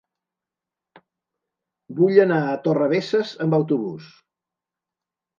Vull anar a Torrebesses amb autobús.